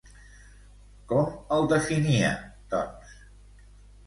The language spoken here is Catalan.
Com el definia, doncs?